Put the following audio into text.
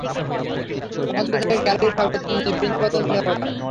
মঞ্চ থেকে গ্যালারী-সর্বত্র পিনপতন নীরবতা।